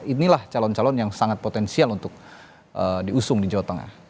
inilah calon calon yang sangat potensial untuk diusung di jawa tengah